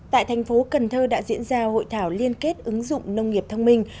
tại thành phố cần thơ đã diễn ra hội thảo liên kết ứng dụng nông nghiệp thông minh